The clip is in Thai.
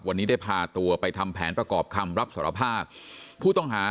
วันนี้ได้พาตัวไปทำแผนประกอบคำรับสารภาพผู้ต้องหา